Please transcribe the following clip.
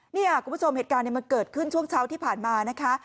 เนี่ยคุณผู้ชมเหตุการณ์มันเกิดขึ้นช่วงเช้าที่ผ่านมานะคะ